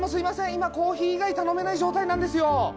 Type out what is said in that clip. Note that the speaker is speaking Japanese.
今コーヒー以外頼めない状態なんですよ。